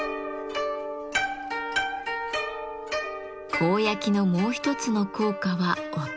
甲焼きのもう一つの効果は音。